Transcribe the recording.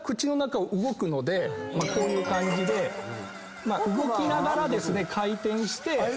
こういう感じで動きながら回転して。